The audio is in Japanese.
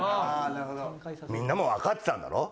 みんなもわかってたんだろ？